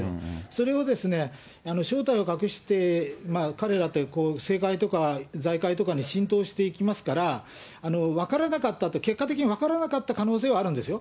それを、正体を隠して彼ら、政界とか財界とかに浸透していきますから、分からなかったと、結果的に分からなかった可能性はあるんですよ。